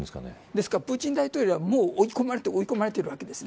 ですからプーチン大統領はもう追い込まれているわけです。